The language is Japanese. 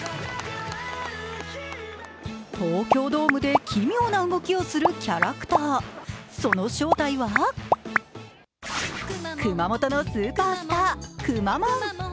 東京ドームで奇妙な動きをするキャラクター、その正体は熊本のスーパースター・くまモン。